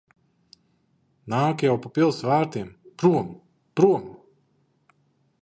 Nāk jau pa pils vārtiem. Prom! Prom!